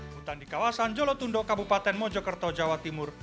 hutan di kawasan jolotundo kabupaten mojokerto jawa timur